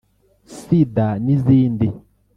Sida n’izindi